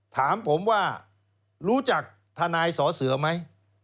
ถามผมว่ารู้จักทนายสอเสือไหม